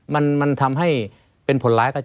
ไม่มีครับไม่มีครับ